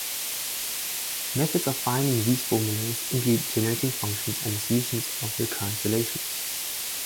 Methods of finding these formulas include generating functions and the solution of recurrence relations.